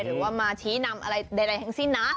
หรือว่ามาชี้นำอะไรใดทั้งสิ้นนะ